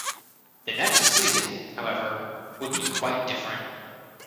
The next season, however, would be quite different.